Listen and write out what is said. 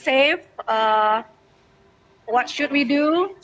apa yang harus kami lakukan